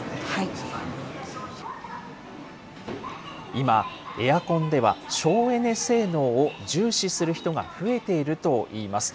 今、エアコンでは省エネ性能を重視する人が増えているといいます。